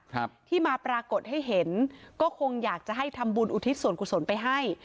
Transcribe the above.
ครับที่มาปรากฏให้เห็นก็คงอยากจะให้ทำบุญอุทิศส่วนกุศลไปให้